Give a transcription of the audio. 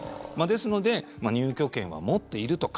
ですので入居権は持っているとか